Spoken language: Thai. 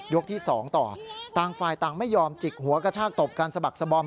ที่๒ต่อต่างฝ่ายต่างไม่ยอมจิกหัวกระชากตบกันสะบักสบอม